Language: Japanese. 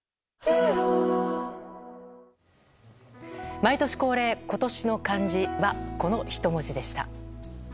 毎年恒例、今年の漢字はこのひと文字でした。